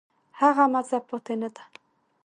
هغه مزه پاتې نه ده.